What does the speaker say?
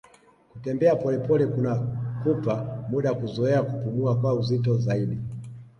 kutembea polepole kunakupa muda kuzoea kupumua kwa uzito zaidi